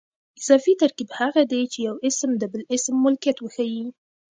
اضافي ترکیب هغه دئ، چي یو اسم د بل اسم ملکیت وښیي.